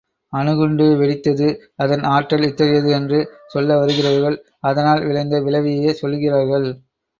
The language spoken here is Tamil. அணுகுண்டு வெடித்தது அதன் ஆற்றல் இத்தகையது என்று சொல்ல வருகிறவர்கள் அதனால் விளைந்த விளைவையே சொல்கிறார்கள்.